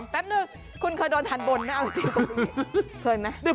แป๊บนึงคุณเคยโดนทันบนไม่เอาจริง